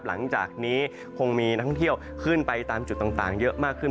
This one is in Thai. หลังจากนี้คงมีนักท่องเที่ยวขึ้นไปตามจุดต่างเยอะมากขึ้น